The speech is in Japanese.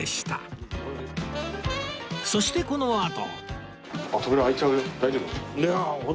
そしてこのあと